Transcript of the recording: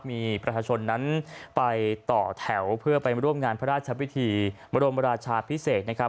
มีประชาชนนั้นไปต่อแถวเพื่อไปร่วมงานพระราชพิธีบรมราชาพิเศษนะครับ